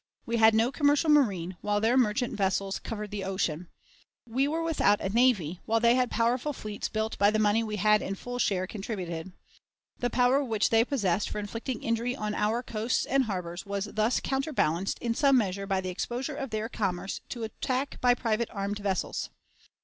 We had no commercial marine, while their merchant vessels covered the ocean. We were without a navy, while they had powerful fleets built by the money we had in full share contributed. The power which they possessed for inflicting injury on our coasts and harbors was thus counterbalanced in some measure by the exposure of their commerce to attack by private armed vessels.